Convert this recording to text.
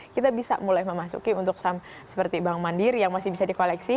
kita bisa mulai memasuki untuk saham seperti bank mandiri yang masih bisa di koleksi